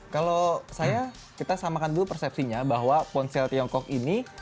kalau saya kita samakan dulu persepsinya bahwa ponsel tiongkok ini